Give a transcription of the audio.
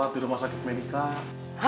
aku berdosa banget sama kamu